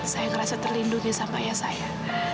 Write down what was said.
saya merasa terlindungi sama ayah saya